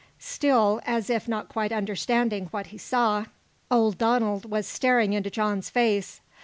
Still, as if not quite understanding what he saw, old Donald was staring into John's face.